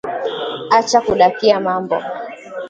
Acha kudakia mambo